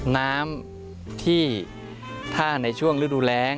น้ำที่ถ้าในช่วงฤดูแรง